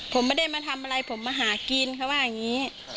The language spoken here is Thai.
ผมไม่ได้มาทำอะไรผมมาหากินเขาว่าอย่างนี้